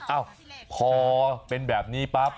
เอ้าพอเป็นแบบนี้ปั๊บ